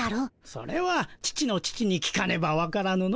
それは父の父に聞かねばわからぬの。